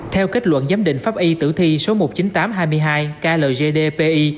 theo kết luận giám định pháp y tử thi số một mươi chín nghìn tám trăm hai mươi hai kld pi